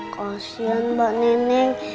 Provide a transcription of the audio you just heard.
kasihan mba neneng